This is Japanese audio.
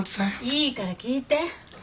いいから聞いて。